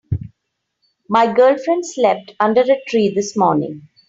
My girlfriend slept under a tree this morning.